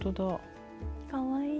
かわいい。